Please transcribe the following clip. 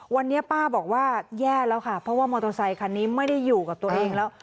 วันนี้ป้าบอกว่าแย่แล้วค่ะเพราะว่ามอเตอร์ไซคันนี้ไม่ได้อยู่กับตัวเองแล้ว